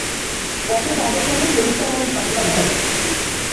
পথে তাঁদের সঙ্গে ফেরেশতাগণের সাক্ষাৎ ঘটে।